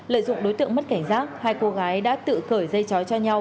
lợi dụng đối tượng mất cảnh giác hai cô gái đã tự cởi dây chói cho nhau